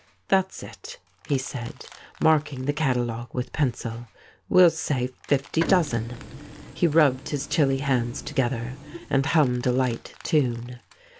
' That's it,' he said, marking the catalogue with pencil, ' we'll say fifty dozen.' He rubbed his chilly hands together, and hummed a light tune.